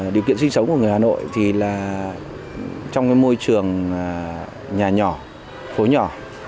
điều kiện sinh sống của người hà nội thì là trong môi trường nhà nhỏ phố nhỏ